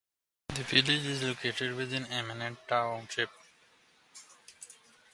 The village is located within Emmett Township.